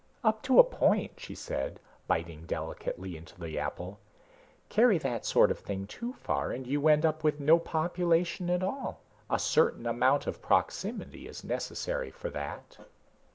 "Up to a point," she said, biting delicately into the apple. "Carry that sort of thing too far and you end up with no population at all. A certain amount of proximity is necessary for that."